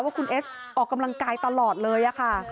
ว่าคุณเอสออกกำลังกายตลอดเลยค่ะ